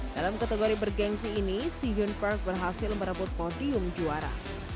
dalam kategori bergensi ini si yun park berhasil merebut podium juara